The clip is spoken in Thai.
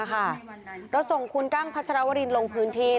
เราส่งคุณกั้งพัชรวรินลงพื้นที่